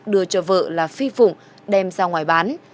đưa cho vợ là phi phụng đem ra ngoài bán